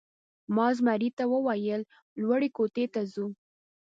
ما زمري ته وویل: لوړ کوټې ته ځو؟